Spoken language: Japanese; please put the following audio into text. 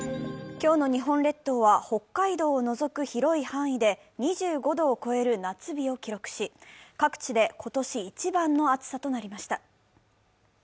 今日の日本列島は北海道を除く広い範囲で２５度を超える夏日を記録し、各地で今年一番の暑さとなりました。